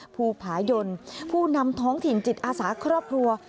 ภูผายนผู้นำท้องถิ่นจิตอาสาครอบครัว